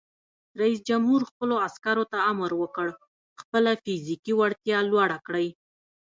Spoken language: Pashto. رئیس جمهور خپلو عسکرو ته امر وکړ؛ خپله فزیکي وړتیا لوړه کړئ!